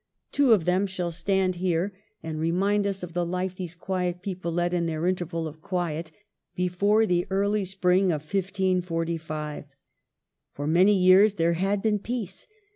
Two of them shall stand here, and DOWNFALL. 263 remind us of the life these quiet people led in their interval of quiet before the early spring of 1545. For many years there had been peace.